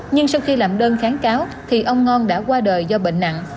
nhưng sau khi làm đơn kháng cáo thì ông ngon đã qua đời do bệnh nặng